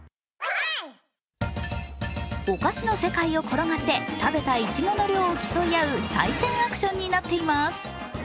お菓子の世界を転がって食べたいちごの量を競い合う、対戦アクションになっています。